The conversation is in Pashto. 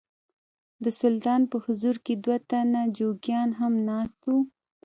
د سلطان په حضور کې دوه تنه جوګیان هم ناست وو.